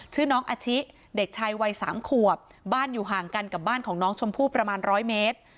ชื่อน้องอาชิเด็กชายวัย๓ขวบบ้านอยู่ห่างกันกับบ้านของน้องชมพู่ประมาณ๑๐๐เมตร